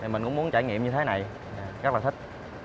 mình cũng muốn trải nghiệm như thế này rất là thích